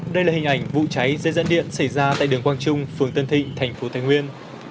đây là hình ảnh vụ cháy dây dẫn điện xảy ra tại đường quang trung phường tân thịnh thành phố thái nguyên